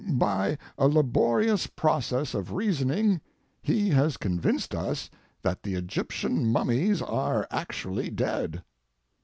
By a laborious process of reasoning he has convinced us that the Egyptian mummies are actually dead.